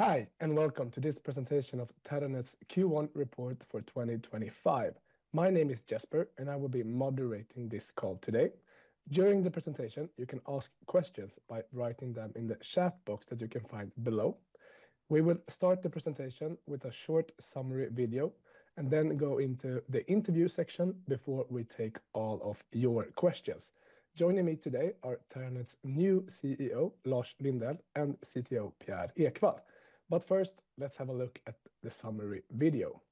Hi and welcome to this presentation of Terranet's Q1 report for 2025. My name is Jesper and I will be moderating this call today. During the presentation, you can ask questions by writing them in the chat box that you can find below. We will start the presentation with a short summary video and then go into the interview section before we take all of your questions. Joining me today are Terranet's new CEO, Lars Lindell, and CTO Per Ekwall. First, let's have a look at the summary video.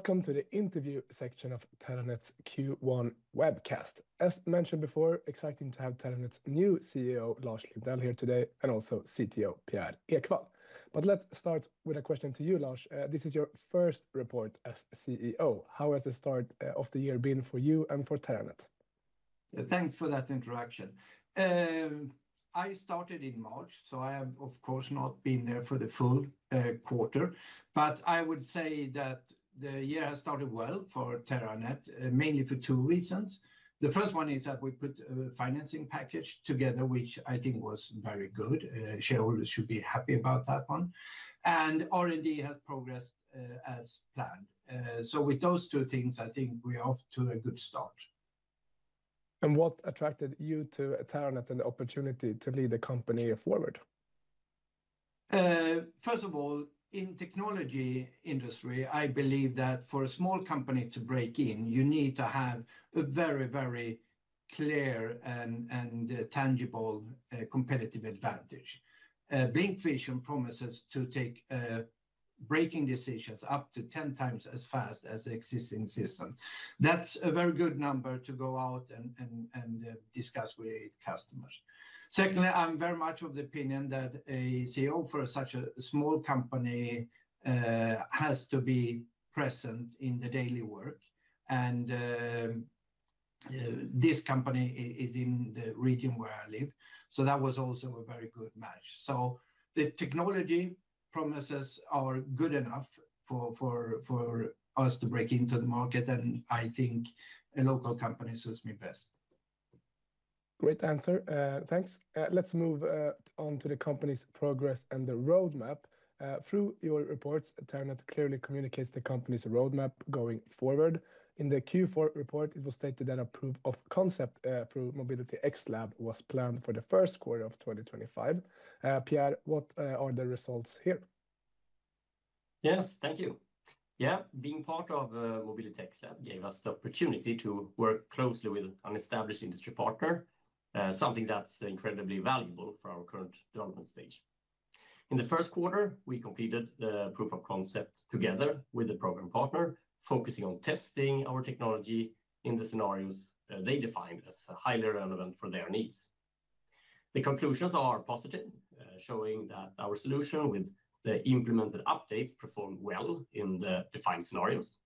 Welcome to the interview section of Terranet's Q1 webcast. As mentioned before, exciting to have Terranet's new CEO Lars Lindell here today and also CTO Per Ekwall. Let's start with a question to you, Lars. This is your first report as CEO. How has the start of the year been for you and for Terranet? Thanks for that introduction. I started in March, so I have of course not been there for the full quarter. I would say that the year has started well for Terranet, mainly for two reasons. The first one is that we put a financing package together, which I think was very good. Shareholders should be happy about that one. R&D has progressed as planned. With those two things, I think we are off to a good start. What attracted you to Terranet and the opportunity to lead the company forward? First of all, in technology industry, I believe that for a small company to break in, you need to have a very, very clear and tangible competitive advantage. Blink Vision promises to take braking decisions up to 10 times as fast as the existing system. That's a very good number to go out and discuss with customers. Secondly, I'm very much of the opinion that a CEO for such a small company has to be present in the daily work. This company is in the region where I live, so that was also a very good match. The technology promises are good enough for us to break into the market. I think a local company suits me best. Great answer. Thanks. Let's move on to the company's progress and the roadmap. Through your reports, Terranet clearly communicates the company's roadmap going forward. In the Q4 report, it was stated that a proof of concept through MobilityXlab was planned for the first quarter of 2025. Pierre, what are the results here? Yes, thank you. Yeah. Being part of MobilityXlab gave us the opportunity to work closely with an established industry partner, something that's incredibly valuable for our current development stage. In the first quarter we completed the proof of concept together with the program partner, focusing on testing our technology in the scenarios they defined as highly relevant for their needs. The conclusions are positive, showing that our solution with the implemented updates performed well in the defined scenarios.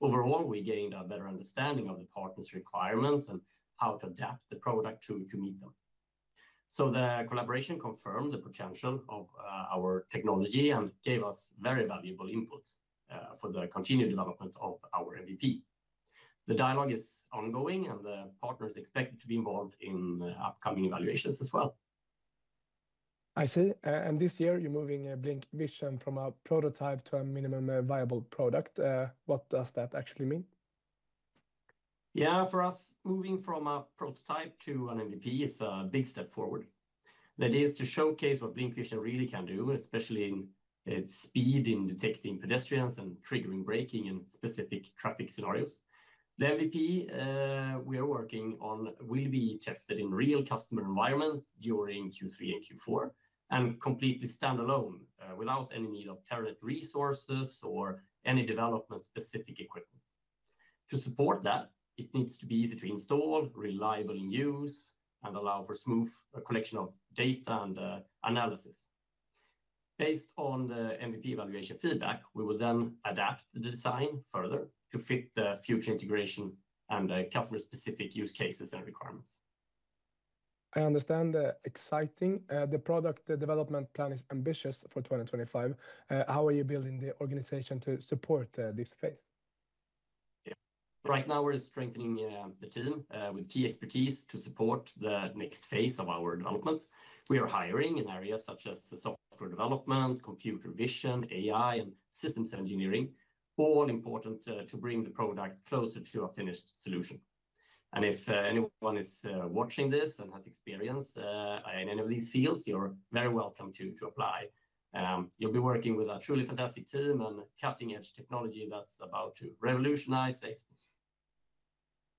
Overall, we gained a better understanding of the partner's requirements and how to adapt the product to meet them. The collaboration confirmed the potential of our technology and gave us very valuable input for the continued development of our MVP. The dialogue is ongoing and the partners expect to be involved in upcoming evaluations as well. I see. This year you're moving Blink Vision from a prototype to a minimum viable product. What does that actually mean? Yeah, for us, moving from a prototype to an MVP is a big step forward that is to showcase what Blink Vision really can do, especially in its speed in detecting pedestrians and triggering braking in specific traffic scenarios. The MVP we are working on will be tested in real customer environment during Q3 and Q4 and completely standalone without any need of Terranet resources or any development specific equipment to support that. It needs to be easy to install, reliable in use and allow for smooth collection of data and analysis based on the MVP evaluation feedback. We will then adapt the design further to fit the future integration and customer specific use cases and requirements. I understand. Exciting. The product development plan is ambitious for 2025. How are you building the organization to support this phase? Right now we're strengthening the team with key expertise to support the next phase of our development. We are hiring in areas such as software development, computer vision, AI, and systems engineering. All important to bring the product closer to a finished solution. If anyone is watching this and has experience in any of these fields, you're very welcome to apply. You'll be working with a truly fantastic team on cutting edge technology that's about to revolutionize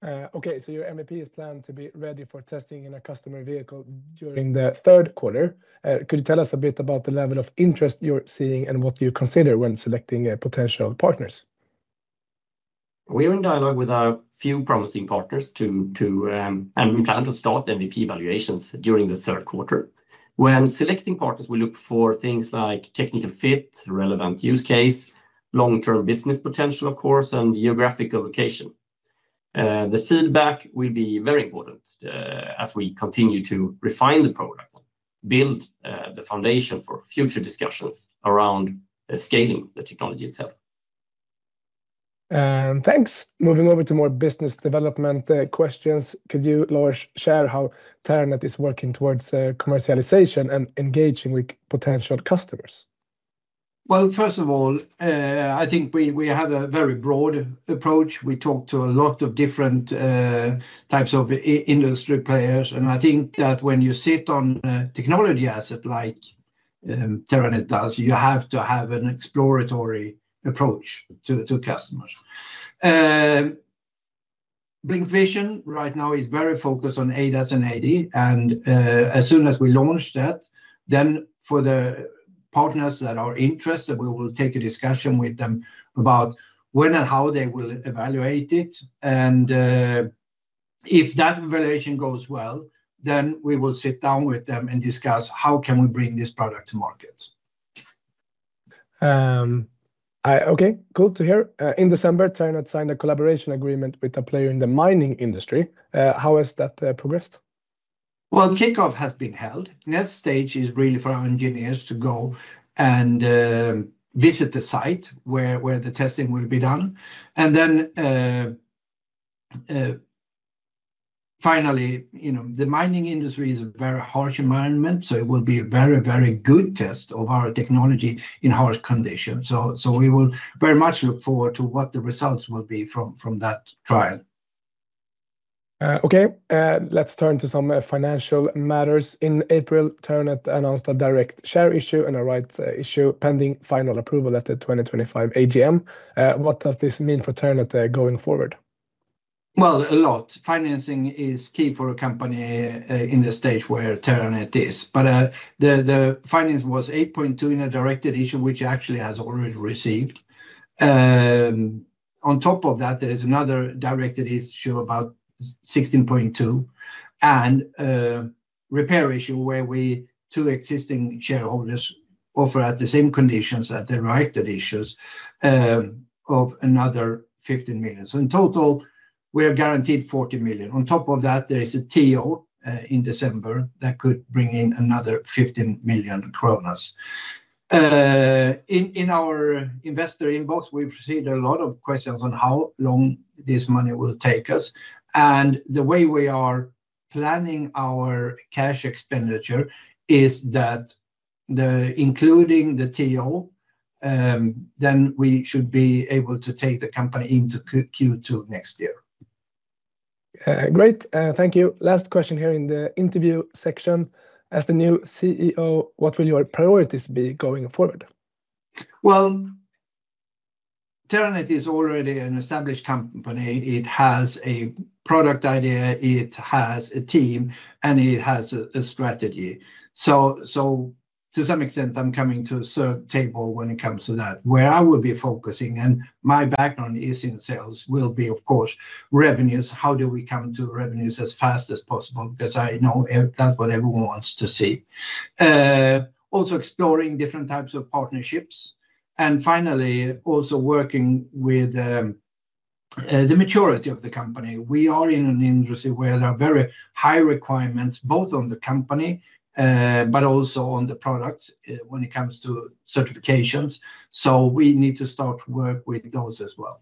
safety. Okay, so your MVP is planned to be ready for testing in a customer vehicle during the third quarter. Could you tell us a bit about the level of interest you're seeing and what you consider when selecting potential partners? We are in dialogue with a few promising partners and we plan to start MVP evaluations during the third quarter. When selecting partners, we look for things like technical fit, relevant use case, long term business potential, of course, and geographical location. The feedback will be very important as we continue to refine the product, build the foundation for future discussions around scaling the technology itself. Thanks. Moving over to more business development questions, could you, Lars, share how Terranet is working towards commercialization and engaging with potential customers? First of all, I think we have a very broad approach. We talk to a lot of different types of industry players. I think that when you sit on technology assets like Terranet does, you have to have an exploratory approach to customers. Blink Vision right now is very focused on ADAS and AD. As soon as we launch that, for the partners that are interested, we will take a discussion with them about when and how they will evaluate it. If that evaluation goes well, we will sit down with them and discuss how we can bring this product to market. Okay, cool to hear. In December, China signed a collaboration agreement with a player in the mining industry. How has that progressed? Kickoff has been held. The next stage is really for our engineers to go and visit the site where the testing will be done. Finally, the mining industry is a very harsh environment. It will be a very, very good test of our technology in harsh conditions. We very much look forward to what the results will be from that trial. Okay, let's turn to some financial matters. In April, Terranet announced a direct share issue and a rights issue pending final approval at the 2025 AGM. What does this mean for Terranet going forward? A lot of financing is key for a company in the stage where Terranet is. The finance was 8.2 million in a directed issue which actually has already been received. On top of that there is another directed issue about 16.2 million and a repair issue where we, 2 existing shareholders, offer at the same conditions at the rights issue of another 15 million. In total we are guaranteed 40 million. On top of that, there is a TO in December that could bring in another 15 million. In our investor inbox, we received a lot of questions on how long this money will take us. The way we are planning our cash expenditure is that including the TO, then we should be able to take the company into Q2 next year. Great, thank you. Last question here in the interview section. As the new CEO, what will your priorities be going forward? Terranet is already an established company. It has a product idea, it has a team and it has a strategy. To some extent I'm coming to a certain table when it comes to that where I will be focusing and my background is in sales will be, of course, revenues. How do we come to revenues as fast as possible? Because I know that's what everyone wants to see. Also exploring different types of partnerships and finally also working with the maturity of the company. We are in an industry where there are very high requirements, both on the company, but also on the products. When it comes to certifications we need to start work with those as well.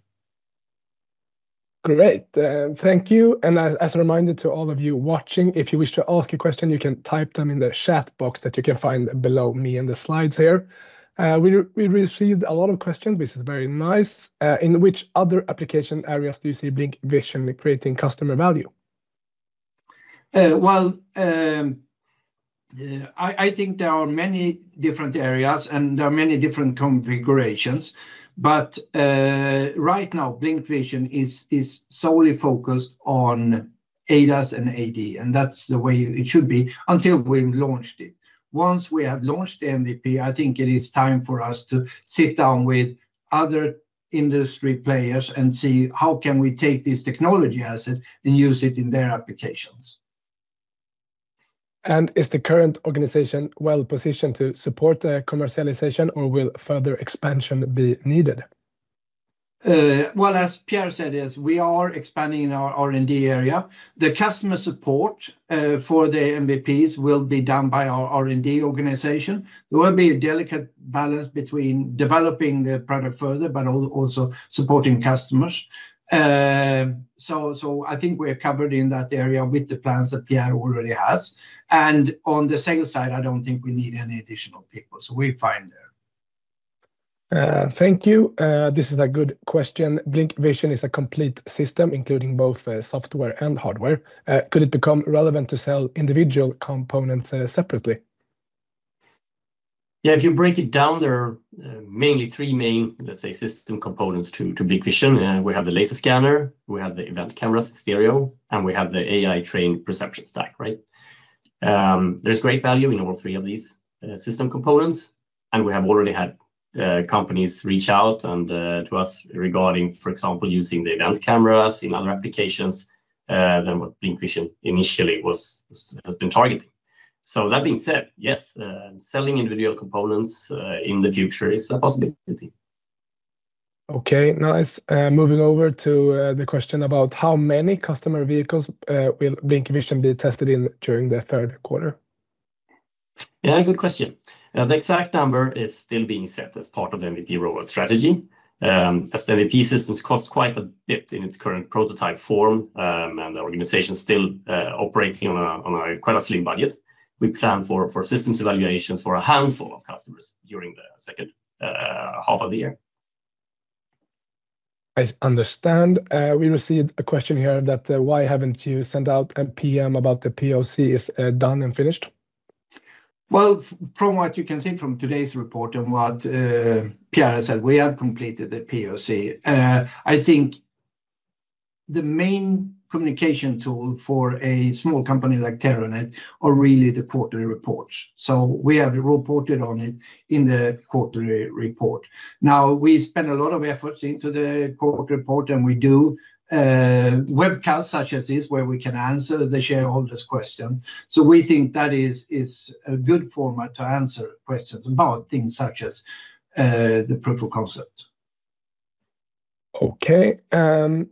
Great. Thank you. As a reminder to all of you watching, if you wish to ask a question, you can type them in the chat box that you can find below me and the slides here. We received a lot of questions, which is very nice. In which other application areas do you see Blink Vision creating customer value? Well. I think there are many different areas and there are many different configurations. Right now Blink Vision is solely focused on ADAS and AD and that's the way it should be until we launch it. Once we have launched the MVP, I think it is time for us to sit down with other industry players and see how can we take this technology asset and use it in their applications. Is the current organization well positioned to support commercialization or will further expansion be needed? As Pierre said, we are expanding in our R&D area. The customer support for the MVPs will be done by our R&D organization. There will be a delicate balance between developing the product further but also supporting customers. I think we are covered in that area with the plans that Pierre already has. On the second side, I do not think we need any additional people, so we are fine there. Thank you. This is a good question. Blink Vision is a complete system including both software and hardware. Could it become relevant to sell individual components separately? Yeah, if you break it down, there are mainly three main, let's say, system components to Blink Vision. We have the laser scanner, we have the event cameras, stereo, and we have the AI trained perception stack. Right. There's great value in all 3 of these system components and we have already had companies reach out to us regarding, for example, using the advanced cameras in other applications than what Blink Vision initially has been targeting. That being said, yes, selling individual components in the future is a possibility. Okay, nice. Moving over to the question about how many customer vehicles will Blink Vision be tested in during the third quarter? Yeah, good question. The exact number is still being set as part of the MVP robot strategy. As the MVP systems cost quite a bit in its current prototype form and the organization is still operating on quite a slim budget. We plan for systems evaluations for a handful of customers during the second half of the year. I understand we received a question here that why haven't you sent out a PM about the POC is done and finished? From what you can see from today's report and what Pierre said, we have completed the POC. I think the main communication tool for a small company like Terranet are really the quarterly reports. We have reported on it in the quarterly report. Now we spend a lot of effort into the quarterly report and we do webcasts such as this where we can answer the shareholders' questions. We think that is a good format to answer questions about things such as the proof of concept. Okay,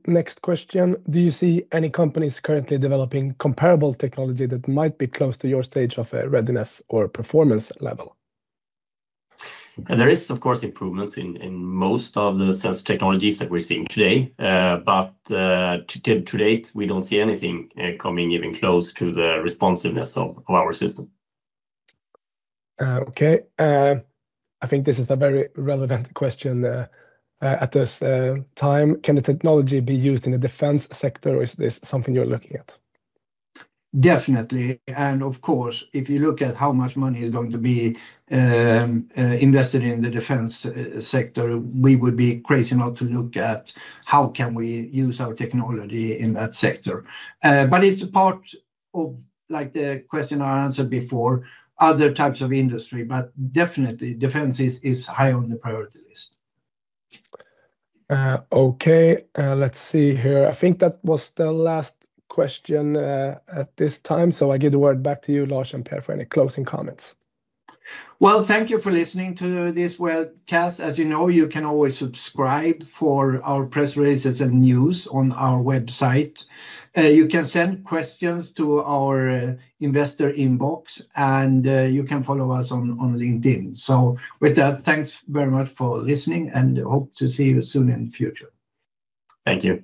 next question. Do you see any companies currently developing comparable technology that might be close to your stage of readiness or performance level? There is, of course, improvements in most of the sensor technologies that we're seeing today, but to date, we don't see anything coming even close to the responsiveness of our system. Okay, I think this is a very relevant question at this time. Can the technology be used in the defense sector or is this something you're looking at? Definitely. Of course, if you look at how much money is going to be invested in the defense sector, we would be crazy not to look at how can we use our technology in that sector. It is a part of, like the question I answered before, other types of industry. Definitely defense is high on the priority list. Okay, let's see here. I think that was the last question at this time. So I give the word back to you, Lars and Per, for any closing comments. Thank you for listening to this webcast. As you know, you can always subscribe for our press releases and news on our website. You can send questions to our investor inbox and you can follow us on LinkedIn. With that, thanks very much for listening and hope to see you soon in the future. Thank you.